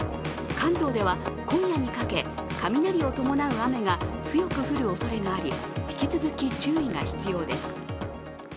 関東では今夜にかけ雷を伴う雨が強く降るおそれがあり引き続き注意が必要です。